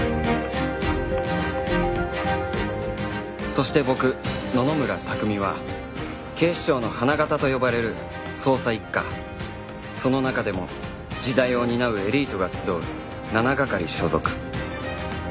そして僕野々村拓海は警視庁の花形と呼ばれる捜査一課その中でも次代を担うエリートが集う７係所属